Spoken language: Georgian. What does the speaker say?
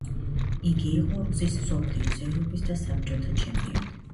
იგი იყო ორგზის მსოფლიოს, ევროპის და საბჭოთა ჩემპიონი.